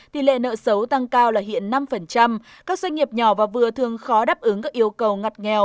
tỷ lệ nợ xấu tăng cao là hiện năm các doanh nghiệp nhỏ và vừa thường khó đáp ứng các yêu cầu ngặt nghèo